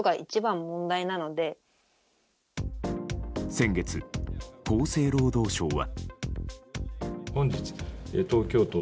先月、厚生労働省は。